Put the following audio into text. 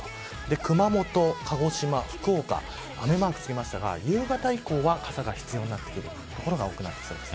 熊本、鹿児島、福岡雨マークつけましたが夕方以降は傘が必要になってくる所が多くなりそうです。